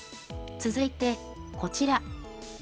続いてこちら。